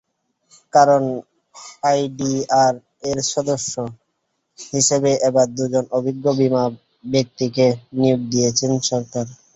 কারণ, আইডিআরএর সদস্য হিসেবে এবার দুজন অভিজ্ঞ বিমা ব্যক্তিত্বকে নিয়োগ দিয়েছে সরকার।